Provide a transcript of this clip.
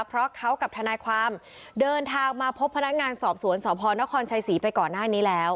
เพราะเขากับทนายความเดินทางมาพบพนักงานสอบสวนสพนครชัยศรีไปก่อนหน้านี้แล้ว